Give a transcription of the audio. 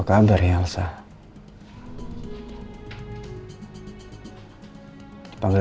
kau tidak ingin